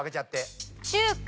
中華。